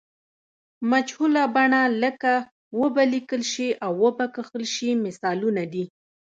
مجهوله بڼه لکه و به لیکل شي او و به کښل شي مثالونه دي.